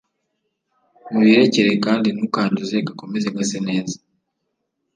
mubirekere kandi ntukanduze gakomeze gase neza